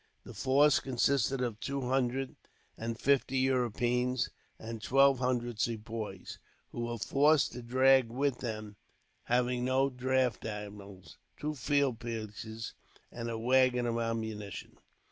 The force consisted of two hundred and fifty Europeans, and twelve hundred Sepoys, who were forced to drag with them, having no draft animals, two field pieces and a waggon of ammunition.